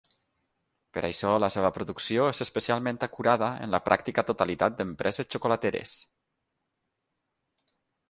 Per això la seva producció és especialment acurada en la pràctica totalitat d'empreses xocolateres.